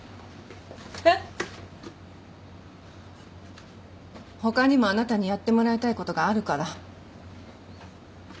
えっ？他にもあなたにやってもらいたいことがあるから。